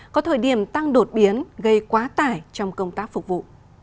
có thời điểm tăng đột biến gây quá tải trong công tác phục vụ